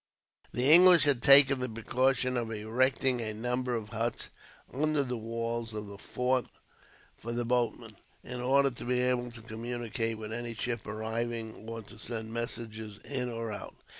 The English had taken the precaution of erecting a number of huts under the walls of the fort for the boatmen, in order to be able to communicate with any ship arriving, or to send messages in or out.